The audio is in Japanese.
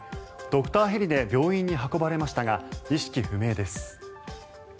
ドクターヘリで病院に運ばれましたが意識不明です。